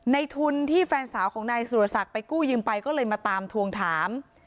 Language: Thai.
ในทุนที่แฟนสาวของนายสุรศักดิ์ไปกู้ยืมไปก็เลยมาตามทวงถาม